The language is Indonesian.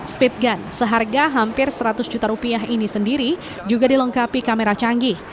speed gun seharga hampir seratus juta rupiah ini sendiri juga dilengkapi kamera canggih